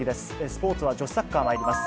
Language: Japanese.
スポーツは女子サッカーまいります。